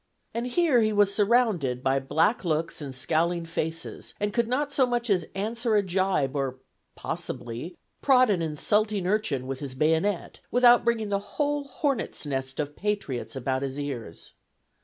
And here he was surrounded by black looks and scowling faces, and could not so much as answer a gibe or possibly prod an insulting urchin with his bayonet, without bringing the whole hornet's nest of patriots about his ears.